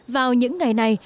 vào những ngày này